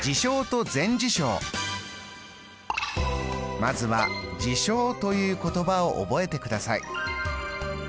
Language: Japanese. まずは事象という言葉を覚えてください。